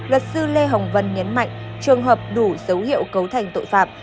luật sư lê hồng vân nhấn mạnh trường hợp đủ dấu hiệu cấu thành tội phạm